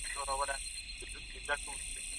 د علم رڼا به هر ځای ته رسېږي.